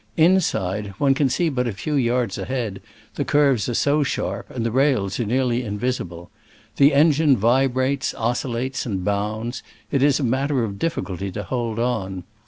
In side, one can see but a few yards ahead, the curves are so sharp, and the rails are nearly invisible. The engine vi brates, oscillates and bounds : it is a matter of difficulty to hold on.